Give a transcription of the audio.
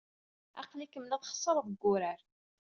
Aql-ikem la txeṣṣreḍ deg wurar.